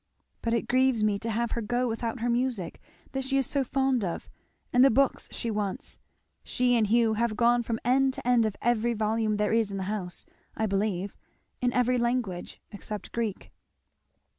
But it grieves me to have her go without her music that she is so fond of, and the books she wants she and Hugh have gone from end to end of every volume there is in the house, I believe, in every language, except Greek."